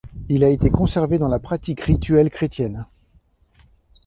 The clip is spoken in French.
Il a été conservé dans la pratique rituelle chrétienne.